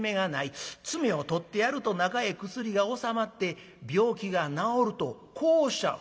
詰めを取ってやると中へ薬が収まって病気が治るとこうおっしゃる」。